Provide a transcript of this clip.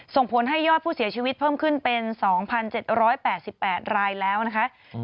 ส่งผลให้ยอดผู้เสียชีวิตเพิ่มขึ้นเป็น๒๗๘๘รายแล้วนะคะ